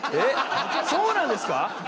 そうなんですか？